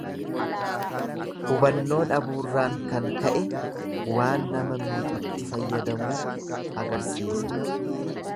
"Hubannoo dhabuurraan kan ka""e waan nama miidhutti fayyadamuu agarsiisa."